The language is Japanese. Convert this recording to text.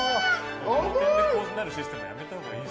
こういうシステムやめたほうがいい。